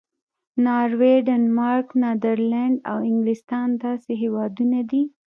ناروې، ډنمارک، نیدرلینډ او انګلستان داسې هېوادونه دي.